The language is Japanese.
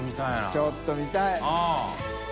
ちょっと見たい！